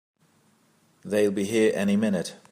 They'll be here any minute!